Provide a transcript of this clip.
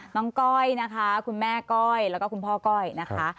ก้อยนะคะคุณแม่ก้อยแล้วก็คุณพ่อก้อยนะคะ